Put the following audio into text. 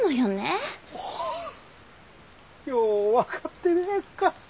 ようわかってるでねえか。